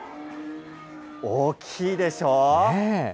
大きいでしょ。